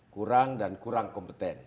kurang dan kurang kompeten